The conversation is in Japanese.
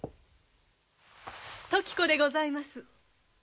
時子でございます。